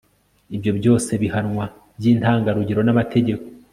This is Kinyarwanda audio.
ibyo byose bihanwa by''intangarugero n'amategeko